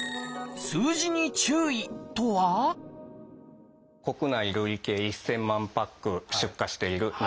「数字に注意」とは「国内累計１，０００万パック出荷している。